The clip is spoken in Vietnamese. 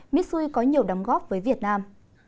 mitsui có nhiều đóng góp với việt nam